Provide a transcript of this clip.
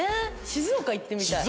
静岡行ってみたい。